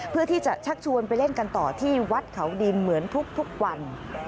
ที่จะชักชวนไปเล่นกันต่อที่วัดเขาดินเหมือนทุกวัน